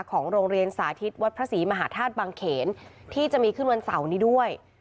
ของโรงเรียนสาธิตวัดพระศรีมหาธาตุบังเขนที่จะมีขึ้นวันเสาร์นี้ด้วย